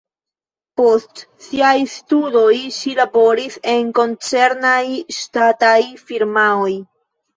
Post siaj studoj ŝi laboris en koncernaj ŝtataj firmaoj.